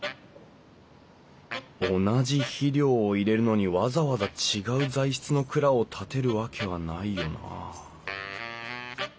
同じ肥料を入れるのにわざわざ違う材質の蔵を建てるわけはないよな